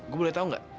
gue boleh tahu nggak